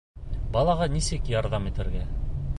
Балаға нисек ярҙам итергә?